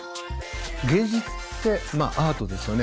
芸術ってアートですよね